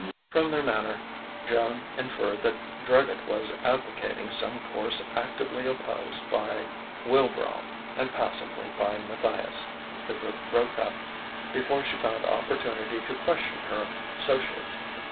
From their manner Joan inferred that Druggett was advocating some course actively opposed by Wilbrow and passively by Matthias. The group broke up before she found opportunity to question her associates.